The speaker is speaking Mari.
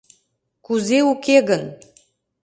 — Кузе уке гын!